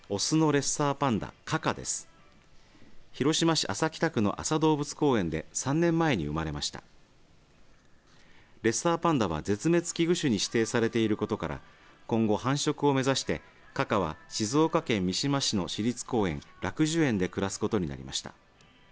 レッサーパンダは絶滅危惧種に指定されていることから今後、繁殖を目指してカカは、静岡県三島市の市立公園楽寿園で暮らすことになりました。